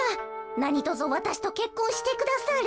なにとぞわたしとけっこんしてくだされ。